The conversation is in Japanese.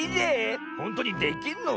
ほんとにできんの？